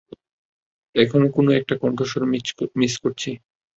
এখনও কোনো একটা কন্ঠস্বর মিস করছি।